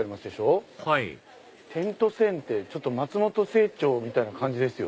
はい「点と線．」って松本清張みたいな感じですよね。